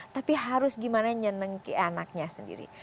tapi harus gimana nyeneng ke anaknya sendiri